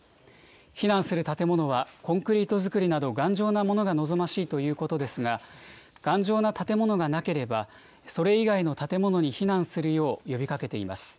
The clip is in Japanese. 避難する建物は、コンクリート造りなど頑丈なものが望ましいということですが、頑丈な建物がなければ、それ以外の建物に避難するよう呼びかけています。